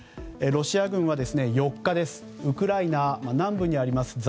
ロシア軍は４日ウクライナ南部にあります